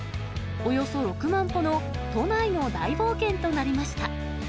およそ６万歩の都内の大冒険となりました。